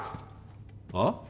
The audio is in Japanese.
あっ？